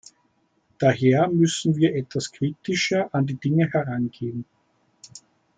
Daher müssen wir etwas kritischer an die Dinge herangehen.